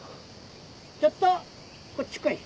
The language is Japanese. ちょっとこっち来い。